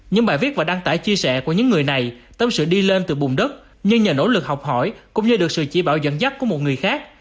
những bài viết và đăng tải chia sẻ của những người này tâm sự đi lên từ bùn đất nhưng nhờ nỗ lực học hỏi cũng như được sự chỉ bảo dẫn dắt của một người khác